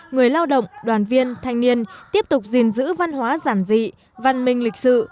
người lao động đoàn viên thanh niên tiếp tục gìn giữ văn hóa giản dị văn minh lịch sự